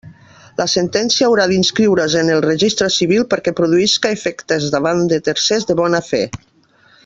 La sentència haurà d'inscriure's en el registre civil perquè produïsca efectes davant de tercers de bona fe.